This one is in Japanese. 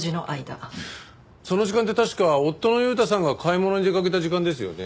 その時間って確か夫の悠太さんが買い物に出かけた時間ですよね？